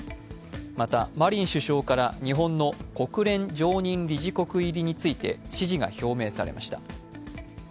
また、マリン首相から日本の国連常任理事国入りについて支持が表明されました。